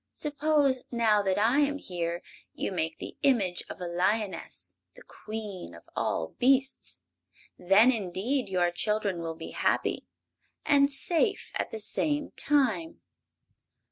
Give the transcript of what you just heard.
Suppose, now that I am here, you make the image of a lioness, the Queen of all beasts. Then, indeed, your children will be happy and safe at the same time!"